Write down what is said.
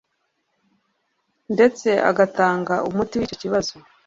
ndetse agatanga n'umuti w'icyo kibazo